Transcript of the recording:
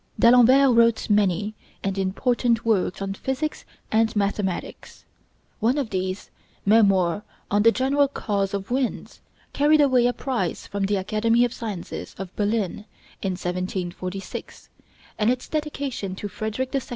D'Alembert wrote many and important works on physics and mathematics. One of these, 'Memoir on the General Cause of Winds,' carried away a prize from the Academy of Sciences of Berlin, in 1746, and its dedication to Frederick II.